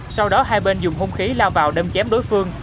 sau đó hai bên dùng hung khí lao vào đâm chém đối phương